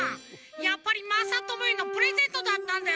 やっぱりまさともへのプレゼントだったんだよ